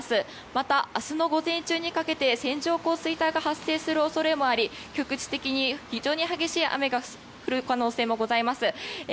また、明日の午前中にかけて線状降水帯が発生する恐れもあり局地的に非常に激しい雨が降る可能性もございます。